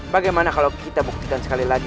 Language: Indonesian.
bagaimana kalau kita buktikan sekali lagi